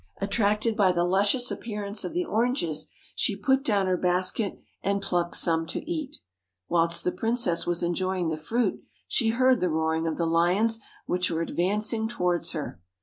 Attracted by the luscious appearance of the oranges, she put down her basket and plucked some to eat. Whilst the princess was enjoying the fruit, she heard the roaring of the lions, which were advancing towards her.